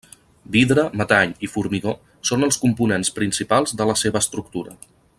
Vidre, metall i formigó són els components principals de la seva estructura.